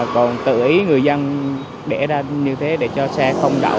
còn tự ý người dân để ra như thế để cho xe không đậu